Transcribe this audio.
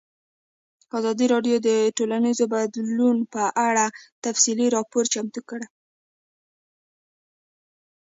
ازادي راډیو د ټولنیز بدلون په اړه تفصیلي راپور چمتو کړی.